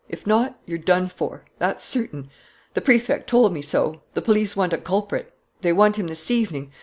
If not, you're done for ... that's certain ... the Prefect told me so. ... The police want a culprit ... they want him this evening....